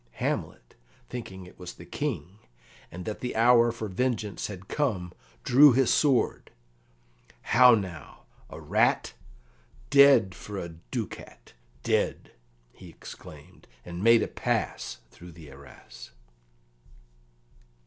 Hamlet, thinking it was the King, and that the hour for vengeance had come, drew his sword. "How now! A rat? Dead, for a ducat, dead!" he exclaimed, and made a pass through the arras. [Illustration: "How now!